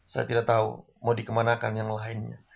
saya tidak tahu mau dikemanakan yang lainnya